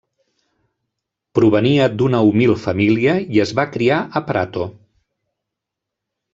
Provenia d'una humil família i es va criar a Prato.